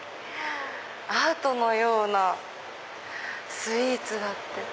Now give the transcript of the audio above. アートのようなスイーツだって。